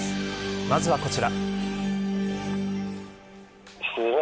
まずはこちら。